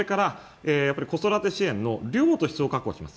子育て支援の量と質を確保します